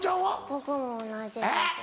僕も同じです。